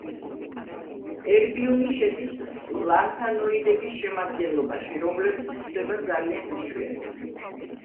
ერბიუმი შედის ლანთანოიდების შემადგენლობაში, რომლებიც გვხვდება ძალიან იშვიათად.